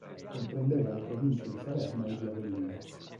Comprendeva le province di Salerno e di Avellino.